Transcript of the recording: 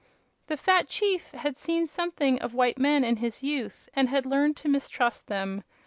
The fat chief had seen something of white men in his youth, and had learned to mistrust them.